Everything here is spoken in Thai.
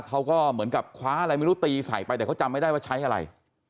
เขาก็เหมือนกับคว้าอะไรไม่รู้ตีใส่ไปแต่เขาจำไม่ได้ว่าใช้อะไร